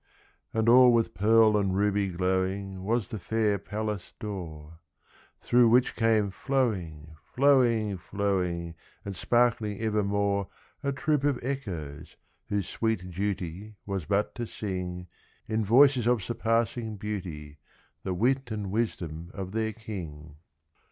And all with pearl and ruby glowing Was the fair palace door, Through which came flowing, flowing, flowing, And sparkling evermore, A troop of Echoes, whose sweet duty Was but to sing, In voices of surpassing beauty, The wit and wisdom of their king.